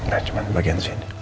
nah cuman bagian sini